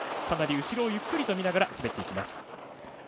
かなり後ろをゆっくりと見ながら滑っていきます。